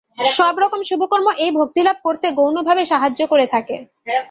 সব রকম শুভকর্ম এই ভক্তিলাভ করতে গৌণভাবে সাহায্য করে থাকে।